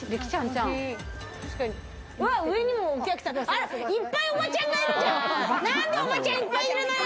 なんでおばちゃんいっぱいいるのよ！